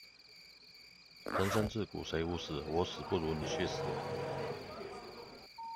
人生自古誰無死，我死不如你去死